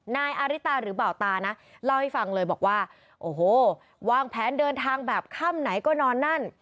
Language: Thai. นายอาริตาหรือเบาตานะเล่าให้ฟังเลยบอกว่าโอ้โหวางแผนเดินทางแบบค่ำไหนก็นอนนั่น